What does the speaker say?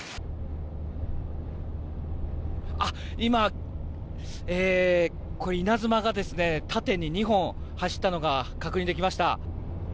今、稲妻が縦に２本走ったのが確認できました。